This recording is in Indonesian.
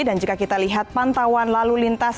dan jika kita lihat pantauan lalu lintas